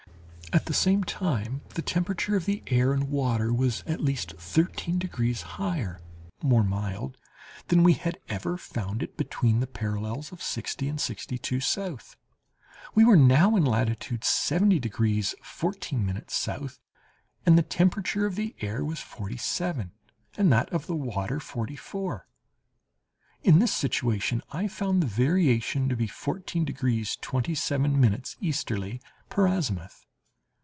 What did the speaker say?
At the same time the temperature of the air and water was at least thirteen degrees higher (more mild) than we had ever found it between the parallels of sixty and sixty two south. We were now in latitude 70 degrees 14' S., and the temperature of the air was forty seven, and that of the water forty four. In this situation I found the variation to be 14 degrees 27' easterly, per azimuth....